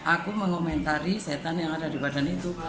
aku mengomentari setan yang ada di badan itu